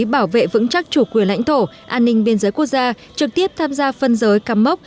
bảo vệ vững chắc chủ quyền lãnh thổ an ninh biên giới quốc gia trực tiếp tham gia phân giới cắm mốc